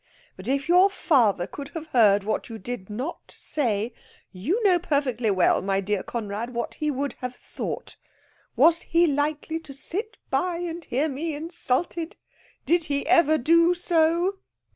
But if your father could have heard what you did not say, you know perfectly well, my dear Conrad, what he would have thought. Was he likely to sit by and hear me insulted? Did he ever do so?"